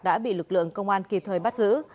đã bị lực lượng công an kịp thời bắt giữ